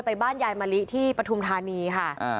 บ้านยายมะลิที่ปฐุมธานีค่ะ